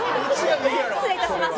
失礼いたしました。